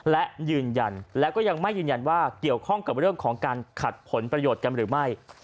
และยืนยันและก็ยังไม่ยืนยันว่าเกี่ยวข้องกับเรื่องของการขัดผลประโยชน์กันหรือไม่